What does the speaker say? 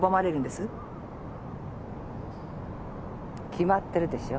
決まってるでしょ。